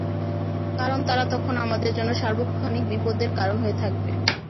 কারণ তারা তখন আমাদের জন্য সার্বক্ষণিক বিপদের কারণ হয়ে থাকবে।